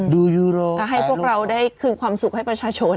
ยูโรให้พวกเราได้คืนความสุขให้ประชาชน